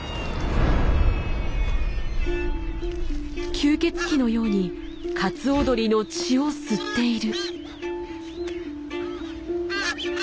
吸血鬼のようにカツオドリの血を吸っている。